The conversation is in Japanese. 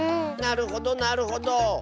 なるほどなるほど。